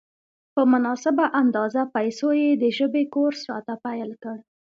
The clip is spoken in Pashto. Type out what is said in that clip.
په مناسبه اندازه پیسو یې د ژبې کورس راته پېل کړ.